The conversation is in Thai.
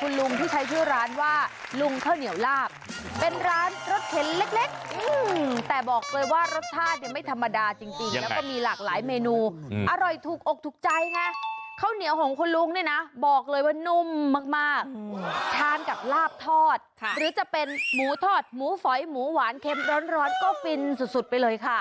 คุณลุงที่ใช้ชื่อร้านว่าลุงข้าวเหนียวลาบเป็นร้านรสเข็นเล็กแต่บอกเลยว่ารสชาติเนี่ยไม่ธรรมดาจริงแล้วก็มีหลากหลายเมนูอร่อยถูกอกถูกใจไงข้าวเหนียวของคุณลุงเนี่ยนะบอกเลยว่านุ่มมากทานกับลาบทอดหรือจะเป็นหมูทอดหมูฝอยหมูหวานเค็มร้อนก็ฟินสุดไปเลยค่ะ